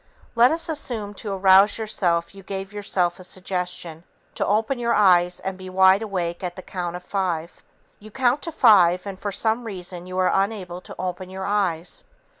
Let us assume to arouse yourself you gave yourself a suggestion to open your eyes and be wide awake at the count of five. You count to five and for some reason you are unable to open your eyes.